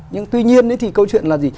nhưng tuy nhiên thì câu chuyện là gì